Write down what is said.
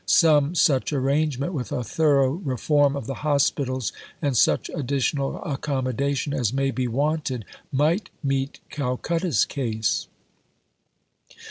Some such arrangement with a thorough reform of the Hospitals, and such additional accommodation as may be wanted, might meet Calcutta's case.